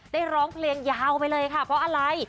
ร้องเพลงยาวไปเลยค่ะเพราะอะไร